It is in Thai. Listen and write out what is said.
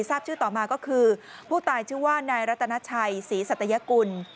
ทราบชื่อต่อมาก็คือผู้ตายชื่อว่านายรัตนาชัยศรีสัตยกุล